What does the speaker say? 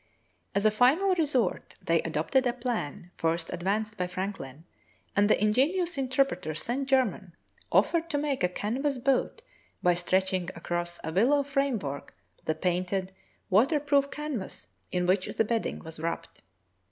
As a final resort they adopted a plan first advanced by Franklin, and the ingenious interpreter, Saint Ger main, offered to make a canvas boat by stretching across a willow framework the painted, water proof canvas in which the bedding was wrapped.